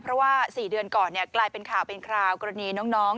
เพราะว่า๔เดือนก่อนกลายเป็นข่าวเป็นคราวกรณีน้อง